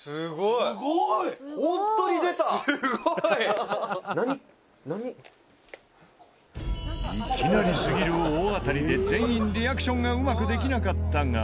いきなりすぎる大当たりで全員リアクションがうまくできなかったが。